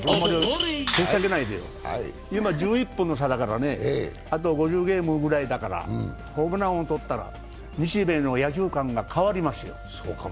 今１１本の差だからね、あと５０ゲームくらいだから、ホームラン王取ったら日米の野球観が変わりますよ。